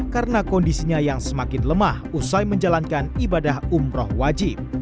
karena kondisinya yang semakin lemah usai menjalankan ibadah umroh wajib